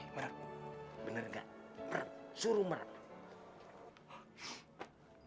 merem bener gak merem suruh merem